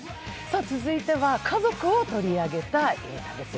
続いては家族を取り上げた映画です。